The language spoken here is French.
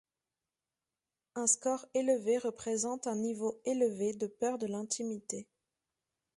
Un score élevé représente un niveau élevé de peur de l'intimité.